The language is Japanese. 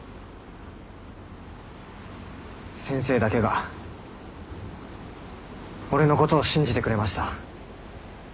先生だけが俺のことを信じてくれました。